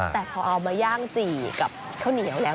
แต่พอเอามาย่างจี่กับข้าวเหนียวแล้ว